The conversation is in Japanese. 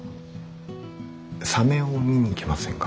サメを見に行きませんか？